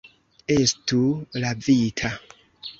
Estu lavita.